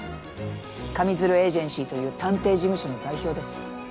上水流エージェンシーという探偵事務所の代表です。